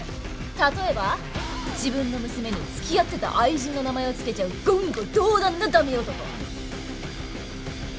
例えば自分の娘に付き合ってた愛人の名前を付けちゃう言語道断なダメ男。